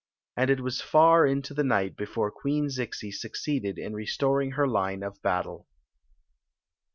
And it was far into the night before Queen Zixi succeeded in restoring her line of battle.